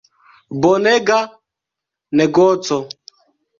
Bonega negoco.